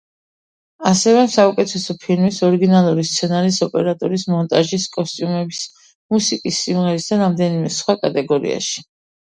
ასევე: საუკეთესო ფილმის, ორიგინალური სცენარის, ოპერატორის, მონტაჟის, კოსტიუმების, მუსიკის, სიმღერის და რამდენიმე სხვა კატეგორიაში.